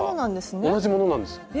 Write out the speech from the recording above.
同じものなんですね。